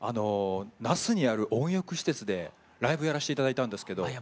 那須にある温浴施設でライブやらしていただいたんですけど。